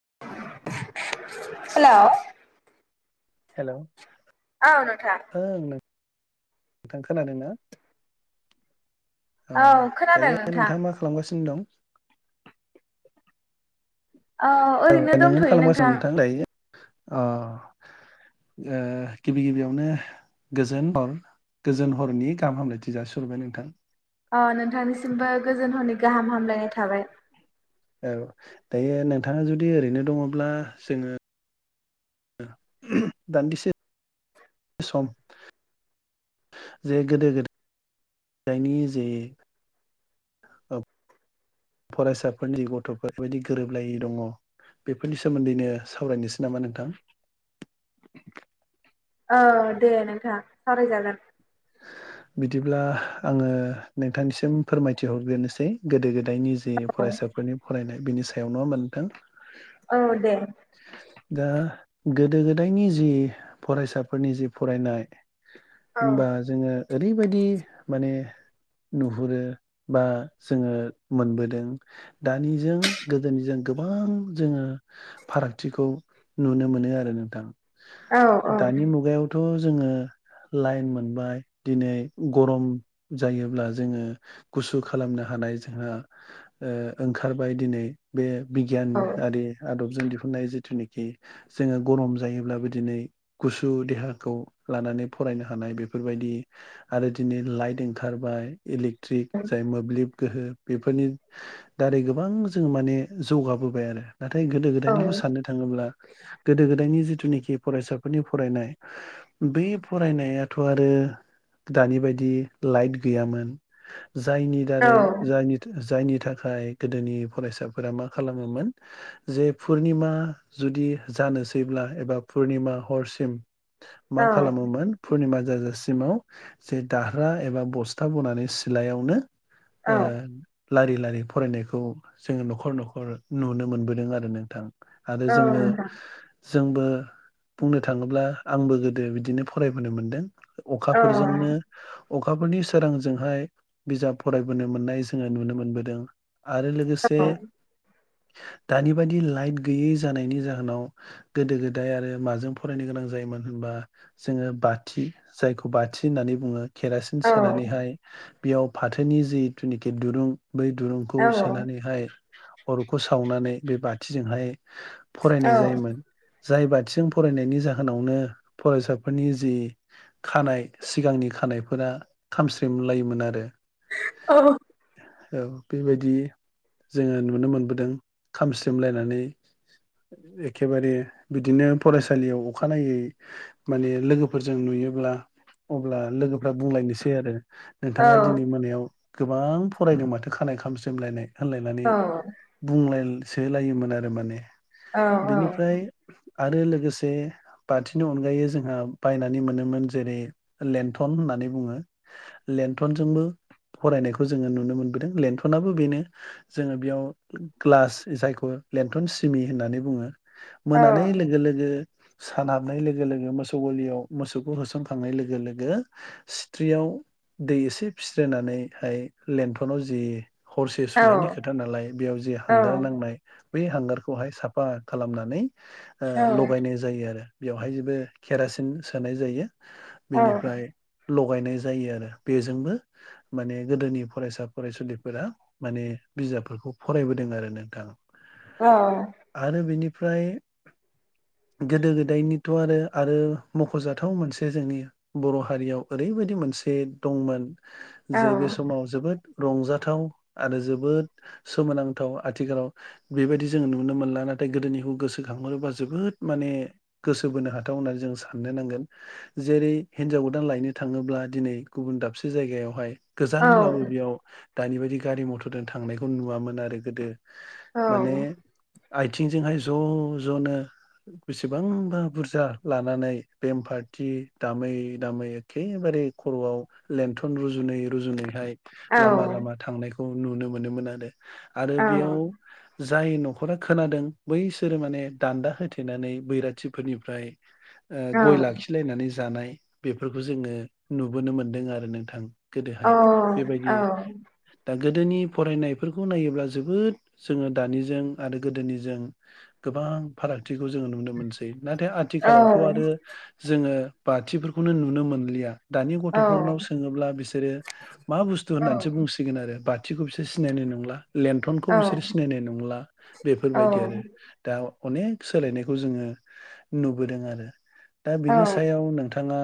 [inaudible] Hello hello औ नोंथां। ओं नोंथां खोनादों ना ओ औ खोनादों दायो नोंथां नोंथाङा मा खालामगासिनो दं औ ओरैनो औ नोङोनो दंथ'यो खालामगासि नोंथां लायो अ ओ गिबि गिबियावनो गोजोन हर गोजोन हरनि गाहाम हामलायथि जासिहरबाय नोंथां। अ नोंथांनिसिमबो गोजोन हरनि गाहाम हामलायनाय थाबाय औ दायो नोंथाङा जुदि ओरैनो दङब्ला जोङो दान्दिसे सम जे गोदो गोदा [unintelligible] जे ओ फरायसाफोरनि गथ'फोरनि बबायदि गोरोबलायै दङ। बेफोरनि सोमोन्दैनो सावरायनोसै नामा नोंथां ओ दे नोंथाङा सावरायजागोन बिदिब्ला आङो नोंथांनिसिम फोरमायथिहरग्रोनोसै गोदो गोद [unintelligible] नि जे फरायसाफोरनि फरायनाय बिनि सायावनो नङा होनबा नोथों औ दे दा गोदो गोदायनि जि फरायसाफोरनि जि फरायनाय औ होमबा जोङो ओरैबायदि माने नुहुरो बा जोङो मोनबोदों दानिजों गोदोनिजों गोबां जोङो फारागथिखौ नुनो मोनो आरो नोंथां। औ दानि मुगायावथ' जोङो लाइन मोनबाय। दिनै गरम जायोब्ला जोङो गुसु खालामनो हानाय जोंहा ओ ओंखारबाय दिनै बे औ बिगियानआरि आदब नि दिहुननाय जिथुनेखि जोङो गरम जायोब्ला दिनै गुसु देहाखौ लानानै फरायनो हानाय बेफोरबायदि आरो दिनै लाइट ओंखारबाय इलेक्ट्रिक जाय मोब्लिब गोहो बेफोरनि दारै गोबां जोङो माने जौगाबोबाय आरो। नाथाय गोदो औ गोदायनिखो सान्नो थाङोब्ला गोदो गोदायनि जिथुनिखि फरायसाफोरनि फरायनाय बै फरायनायाथ' आरो दानि बायदि लाइट गैयामोन जायनि दारै जायनि था जायनि थाखाय गोदोनि फरायसाफोरा मा खालामोमोन जे पुर्निमा जुदि जानोसैब्ला एबा पुर्निमा हरसिम मा औ खालामोमोन पुर्निमा जाजासिमाव जे दारहा एबा बस्था बनानै सिलायावनो ओ औ लारि लारि फरायनायखौ जोङो न'खर न'खर नुनो मोनबोदों आरो नोंथां। आरो जोङो नोंथां जोंबो बुंनो थाङोब्ला आंबो गोदो बिदिनो फरायबोनो मोनदों। औ फोरजोंनो अखाफोरनि सोरांजोंहाय बिजाब फरायबोनो मोननाय जोङो नुनो मोनबोदों। आरो लोगोसे दानि बाददि लाइट गैयै जानायनि जाहोनाव गोदो गोदाय आरो माजों फरायनो गोनां जायोमोन होन बा जोङो बाथि जायखौ बाथि होननानै बुङो। केरासिन औ सोनानैहाय बेयाव फाथोनि जिथुनेखि दुरुं बै दुरुंखौ औ सोनानैहाय अरखौ सावनानै बे बाथिजोंहाय फरायनाय औ जायोमोन। जाय बाथिजों फरायनायनि जाहोनावनो फरायसाफोरनि जि खानाय सिगांनि खानायफोरा खामस्रेम लायोमोन आरो। औ औ बेबायदि जोङो नुनो मोनबोदों खामस्रेमलायनानै एखेबारे बिदिनो फरायसालियाव अखानायै माने लोगोफोरजों नुयोब्ला अब्ला लोगोफ्रा बुंलायनोसै आरो नोंथाङा दिनै औ मोनायाव गोबां फरायदों माथो खानाय खामस्रेम लायनाय होनलायनानै बुंलाय सोलायोमोन आरो माने औ औ बेनिफ्राय आरो लोगोसे बाथिनि अनगायै जोंहा बायनानै मोनोमोन जेरै लेन्थन होननानै बुङो। लेन्थनजोंबो फरायनायखौ जोङो नुनो मोनबोदों लेन्थनाबो बेनो जोङो बेयाव ग्लास जायखौ लेन्थन सिमि होननानै बुङो। मोनानाय लोगो लोगो सान हाबनाय लोगो लोगो मोसौ गलियाव मोसौखौ होसन खांनाय लोगो लोगो सिथ्रियाव दै एसे फिस्रोनानैहाय लेन्थनाव जि हरसे सुनायनि खोथा नालाय बेयाव जे हांगार नांनाय बे हांगारखौहाय साफा खालामनानै लगायनाय जायो आरो बेवहाय जेबो केरासिन सोनाय जायो बेनिफ्राय लगायनाय जायो आरो बेजोंबो माने गोदोनि फरायसा फरायसुलिफोरा माने बिजाबफोरखौ फरायबोदों आरो नोंथां। औ। ओमफ्राय गोदो गोदायनिथ' आरो आरो मख'जाथाव मोनसे जे जोंनि बर' हारियाव ओरैबायदि मोनसे दंमोन औ जे बे समाव जोबोद रंजाथाव आरो जोबोद सोमोनांथाव आथिखालाव बेबायदि जोङो नुनो मोनला। नाथाय गोदोनिखौ गोसोखांहरोबा जोबोद माने गोसो बोनो हाथाव होननानै जों साननो नांगोन। जेरै हिनजाव गोदान लायनो थाङोब्ला दिनै गुबुन दाबसे जायगायावहाय। औ गोजानब्लाबो औ बेयाव दानि बायदि गारि मथरजों थांनायखौ नुवामोन आरो गोदो। औ माने आथिंजोंहाय ज' ज'नो बेसेबांबा बुरजा लानानै बेमफा फाथि दामै दामै एखेबारे खर'आव लन्थन रुजुै रुजुैहाय औ लामा लामा थांनायखौ नुनो मोनोमोन आरो आरो बेयाव जाय न'खरा खोनादों बैसोरो माने दान्दा होथेनानै बैराथिफोरनिफ्राय। ओ औ गय लाखि नानै जानाय बेफोरखौ जोङो नुबोनो मोनदों आरो नोंथां गोदोहाय बेबायदि गोदोनि फरायनायफोरखौ नायोब्ला जोबोद जोङो दानिजों आरो गोदोनिजों गोबां गोबां फारागथिखौ जोङो नुनो मोनसै। नाथाय आथिखालावथ' आरो जोङो बाथिफोरखौनो नुनो मोनलिया। दानि गथ'फोरनाव सोङोब्ला बिसोरो मा बुस्थु औ औ होननानैसो बुंसिगोन आरो बाथिखौ बिसोर सिनायनो नंला लेन्थनखौ बिसोर सिनायनाय नंला बेफोरबायदि आरो दा अनेक सोलायनायखौ जोङो नुबोदों आरो दा बिनि सायाव नोंथां नोंथाङा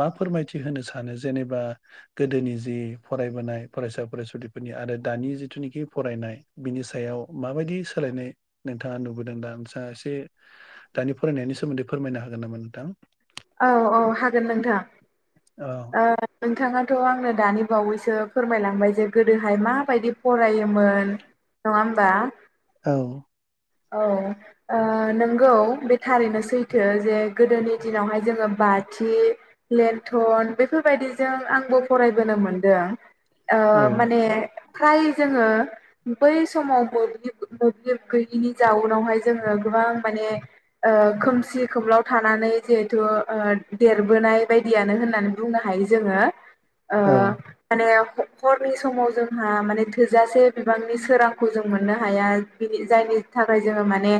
मा फोरमायथि होनो सानो जेनेबा गोदोनि जि फरायबोनाय फरायसा फरायसुलिफोरनि आरो दानि जिथुनिखि फरायनाय बिनि सायाव माबायदि सोलायनाय नोंथाङा नु बुदोदां सासे दानि फरायनायनि सोमोन्दै फोरमायनो हागोन नामा नोंथां औ औ हागोन नोंथां औ नोंथाङा थ' आंनो दानि बावैसो फोरमायलांबाय जे गोदोहाय माबायदि फरायोमोन नंङा होम्बा औ औ ओ नोंगौ बे थारैनो सैथो जे गोदोनि दिनावहाय जोङो बाथि लेन्थन बेफोरबायदिजों आंबो फरायबोनो मोनदों आ औ माने फ्राय जोङो बै समाव मोब्लिब मोब्लिब गैयिनि जाउनावहाय जोङो गोबां माने ओ खोमसि खोमलाव थानानै जे थ देरबोनाय बायदियानो होननानै बुंनो हायो जोङो ओ औ माने हरनि समाव जोंहा माने थोजासे बिबांनि सोरांखौ जों मोननो हाया बिनि जायनि थाखाय जोङो माने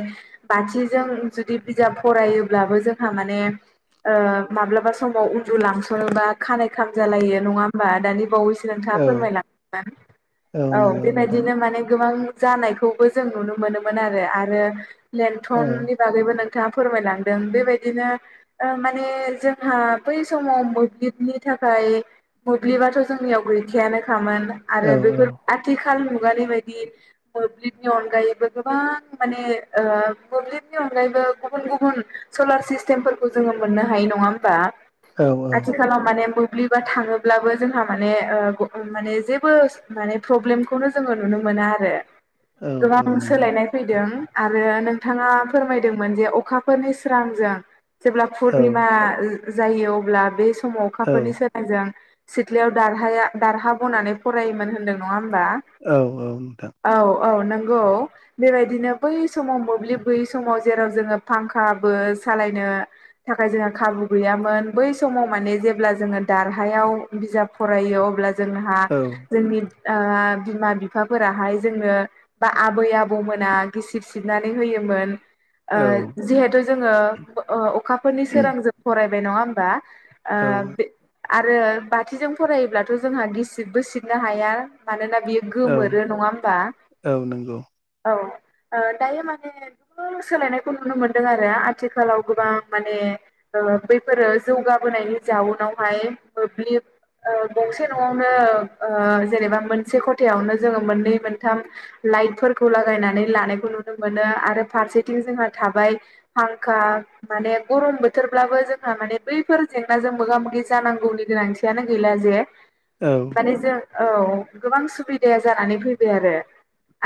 बाथिजों जुदि बिजाब फरायोब्लाबो जोंहा माने माब्लाबा समाव उन्दु लांसनोबा खानाय खाम जालायो नङा होमबा दानि बावैसो नोंथाङा फोरमायलांगोन औ बेबायदिनो माने गोबां जानायखौबो जों नुनो मोनोमोन आरो आरो औ लेन्थननि बागैबो नों -था फोरमायलांदों बेबायदिनो माने जोंहा बै समाव मोब्लिबनि थाखाय मोब्लिबाथ' जोंनियाव गैखायानो खामोन औ आरो बेफोर आथिखाल मुगानि बायदि मोब्लिबनि अनगायैबो गोबां माने ओ मोब्लिबनि अनगायैबो गुबुन गुबुन स्कलार सिसतेम फोरखौ जोङो मोननो हायो नङा होमबा औ आथिखालाव माने -मो मोब्लिबा थाङोब्लाबो जोंहा माने ओ माने जेबो माने प्रब्लेमखौनो जोङो नुनो मोन ना आरो। औ औ गोबां नंगौ सोलायनाय फैदों आरो नोंथाङा फोरमायदोंमोन जे अखा फोरनि स्रांजों जेब्ला औ पुर्निमा जा जायो अब्ला बे औ अखाफोरनि सोलायजों सिथ्लायाव दारहाया दारहा बनानै फरायोमोन होन्दों नङा होमबा औ औ नोंथां औ औ नंगौ बेबायदिनो बै समाव मोब्लिब गैयै समाव जेराव जोङो फांखा बोस सालायनो थाखाय जोंहा खाबु गैयामोन बै समाव माने जेब्ला जोङो दारहायाव बिजाब फरायो अब्ला जों जोंहा औ जोंनि ओ- बिमा बिफाफोराहाय जोंनो बा आबै आबौमोना गिसिब सिबनानै होयो मोन औ ओ- जिहेथु जोङो ओ- अखाफोरनि सोरांजों फरायबाय नङा होमबा औ आ आरो बाथिजों फरायोब्लाथ' जोंहा गिसिबबो सिबनो हाया मानोना बियो औ गोमोरो नङा होमबा औ नंगौ औ दायो माने गोबां सोलायनायखौ नुनो मोनदों आरो आथिखालाव गोबां माने बैफोरो जौगाबोनायनि जाउनावहाय मोब्लिब ओ- गंसे न'आवनो ओ- जेनेबा मोनसे खथायावनो जोङो मोननै मोनथाम लाइटफोरखौ लागायनानै लानायखौ नुनो मोनो आरो फारसेथिं जोंहा थाबाय फांखा माने गरम बोथोरब्लाबो जोंहा माने बैफोर जेंनाजों मोगा- मोगि जानांगौनि गोनांथियानो गैला जे औ माने जों औ गोबां सुबिदाया जानानै फैबाय आरो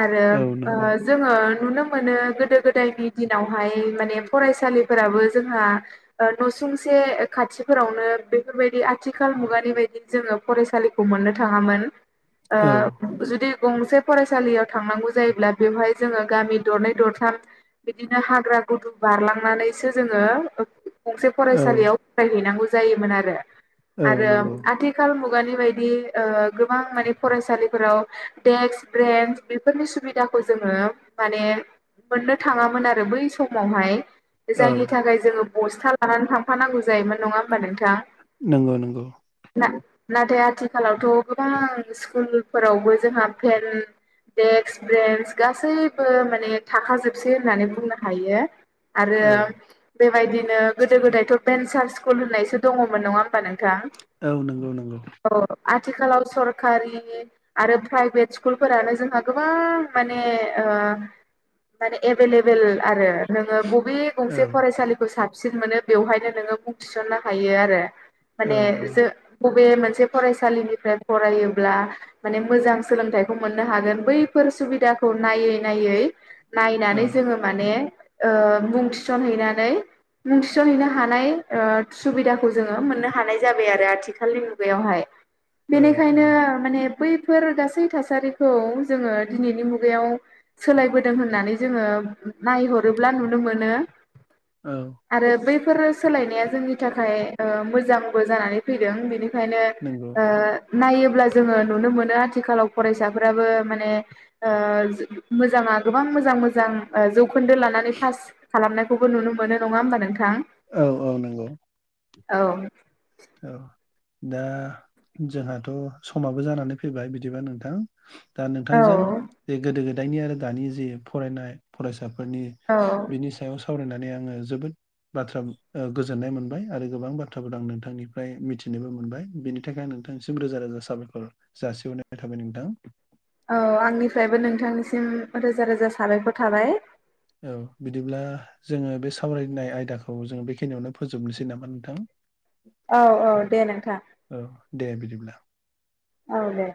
आरो औ नंगौ ओ जोङो नुनो मोनो गोदो गोदायनि दिनावहाय माने फरायसालि फोराबो जोंहा न'सुंसे खाथिफोरावनो बेफोरबायदि आथिखाल मुगानि बायदि जोङो फरायसालिखौ मोननो थाङामोन ओ औ जुदि गंसे फरायसालियाव थांनांगौ जायोब्ला बेवहाय जोङो गामि दरनै दरथाम बिदिनो हाग्रा गुदुं बारलांनानै सो- जोङो गंसे औ फरायसालियाव फरायहैनांगौ जायोमोन आरो औ आरो नंगौ आथिखाल मुग- खुगानि बायदि गोबां माने फरायसालिफोराव देक्स बेन्स बेफोरनि सुबिदाखौ जोङो माने मोननो थाङामोन आरो बै समावहाय औ जायनि थाखाय जोङो बस्था लानानै थांफानांगौ जायोमोन नङा होमबा नोंथां नंगौ- नंगौ ना- नाथाय आथिखालावथ' गोबां स्कुलफोरावबो जोंहा फेन डेस्क बेन्स गासैबो माने थाखाजोबसै होननानै बुंनो हायो औ बेबायदिनो गोदो गोदायथ' भेन्सार स्कुल होननायसो दङमोन नङा नोंथां औ नंगौ नंगौ औ आथिखालाव सरखारि आरो प्राइभेट स्कुलफोरानो जोंहा गोबां माने ओ- माने एभेइलेबल आरो नोंङो बबे औ गंसे फरायसालिखौ साबसिन मोनो बेवहायनो नोङो बुं थिसननो हायो आरो औ माने जो बबे मोनसे फरायसालिनिफ्राय फरायोब्ला माने मोजां सोलोंथाइखौ मोननो हागोन बैफोर सुबिदाखौ नायै नायै औ नायनानै जोङो माने मुं थिसनहैनानै मुं थिसनहैनो हानाय ओ सुबिदाखौ जोङो मोननो हानाय जाबाय आरो आथिखालनि मुगायावहाय। औ औ बेनिखायनो माने बैफोर गासै थासारिखौ जोङो दिनैनि मुगायाव सोलायबोदों होननानै जोङो नायहरोब्ला नुनो मोन औ आरो बैफोर सोलायनाया जोंनि थाखाय मोजांबो जानानै फैदों बेनिखायनो नंगौ नायोब्ला जोङो नुनो मोनो आथिखालाव फरायसाफोराबो माने ओ मोजाङा गोबां मोजां मोजां ओ जौ खोन्दो लानानै पास खालामनायखौबो नुनो मोनो नङा होमबा नोंथां औ औ नंगौ। औ। औ। दा जोंहाथ' समाबो जानानै फैबाय बिदिबा नोंथां। दा औ नोंथांजों गोदो गोदायनि आरो दानि जि फरायनाय फरायसा फोरनि औ बिनि सायाव सावरायनानै आङो जोबोद बाथ्रा गोजोननाय मोनबाय आरो गोबां बाथ्राफोर आं नोंथांनि फ्राय मिथिनोबो मोनबाय बिनि थाखाय नोंथांसिम रोजा रोजा साबायखर जासिहरनाय थाबाय नोंथां। औ आंनिफ्रायबो नोंथांनिसिम रोजा रोजा साबायखर थाबाय। औ बिदिब्ला जोङो बे सावरायनाय आयदाखौ जोङो बेखिनियावनो फोजोबनोसै नामा नोंथां। औ औ दे नोंथां औ दे बिदिब्ला औ दे।